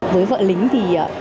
với vợ lính thì